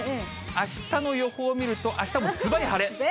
あしたの予報を見ると、あしたもずばり晴れ。